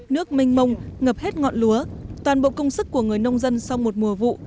nước mênh mông ngập hết ngọn lúa toàn bộ công sức của người nông dân sau một mùa vụ